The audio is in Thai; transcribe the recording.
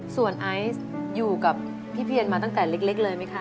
ส่วนไอซ์อยู่กับพี่เพียนมาตั้งแต่เล็กเลยไหมคะ